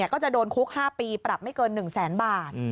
ก็จะโดนคุก๕ปีปรับไม่เกิน๑แสนบาท